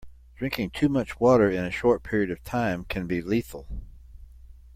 Drinking too much water in a short period of time can be lethal.